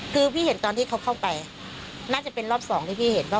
คือพี่เห็นตอนที่เขาเข้าไปน่าจะเป็นรอบสองที่พี่เห็นว่า